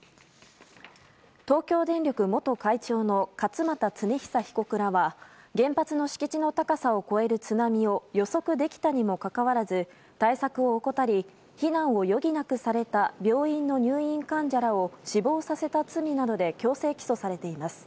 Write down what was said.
東京電力元会長の勝俣恒久被告らは原発の敷地の高さを超える津波を予測できたにもかかわらず対策を怠り避難を余儀なくされた病院の入院患者らを死亡させた罪などで強制起訴されています。